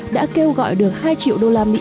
đã kêu gọi được hai triệu usd